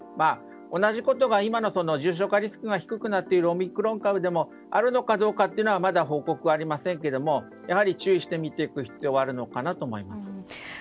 同じことが今の重症化リスクが低くなっているオミクロン株でもあるのかどうかというのはまだ報告はありませんがやはり注意して見ていく必要はあるかなと思います。